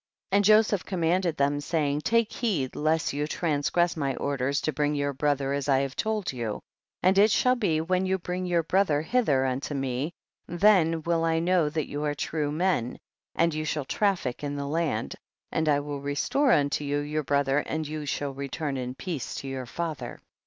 46. And Joseph commanded them, saying, take heed less you transgress my orders to bring your brother as I have told you, and it shall be when you bring your brother hither unto me, then will I know that you are true men, and you shall traffick in the land, and I will restore unto you your brother and you shall return in peace to your father.